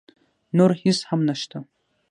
نور هېڅ هم نه شته.